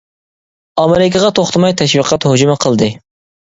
ئامېرىكىغا توختىماي تەشۋىقات ھۇجۇمى قىلدى.